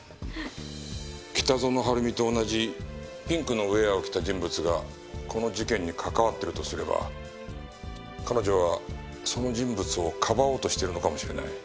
北園晴美と同じピンクのウェアを着た人物がこの事件に関わっているとすれば彼女はその人物をかばおうとしているのかもしれない。